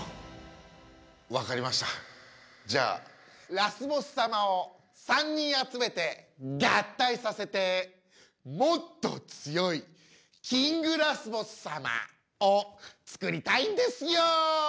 ラスボス様を３人集めて合体させてもっと強いキングラスボス様を作りたいんですよ。